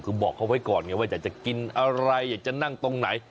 คือบอกเขาไว้ก่อนไงว่าอยากจะกินอะไรอยากจะนั่งตรงไหน